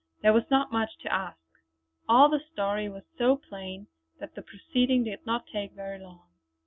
There was not much to ask; all the story was so plain that the proceeding did not take very long.